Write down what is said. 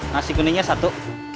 nasi kuningnya satu